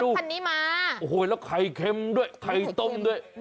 โอ้โหแล้วไข่เค็มด้วยไข่ต้มด้วย